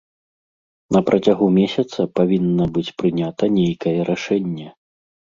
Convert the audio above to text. На працягу месяца павінна быць прынята нейкае рашэнне.